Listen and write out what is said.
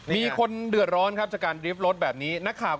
มีคนเดือดร้อนครับจากการดริฟต์รถแบบนี้